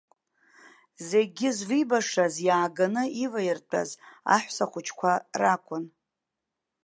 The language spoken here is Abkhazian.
Зегьы звибашаз иааганы иваиртәаз аҳәсахәыҷқәа ракәын.